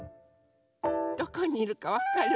どこにいるかわかる？